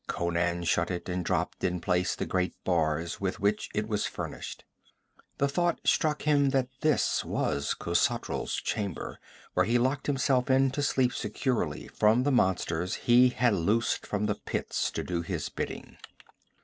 Conan shut it and dropped in place the great bars with which it was furnished. The thought struck him that this was Khosatral's chamber, where he locked himself in to sleep securely from the monsters he had loosed from the Pits to do his bidding.